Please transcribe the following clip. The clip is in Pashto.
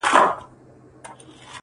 چوپه خوله سو له هغې ورځي ګونګی سو؛